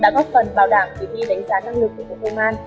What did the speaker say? đã góp phần bảo đảm kỳ thi đánh giá năng lực của bộ công an